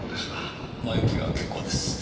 前置きは結構です。